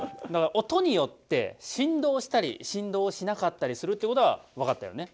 音によって振動したり振動しなかったりするってことはわかったよね？